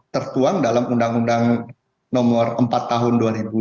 tertuang dalam undang undang nomor empat tahun dua ribu dua